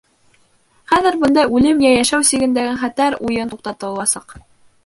Хәҙер бындай үлем йә йәшәү сигендәге хәтәр уйын туҡтатыласаҡ.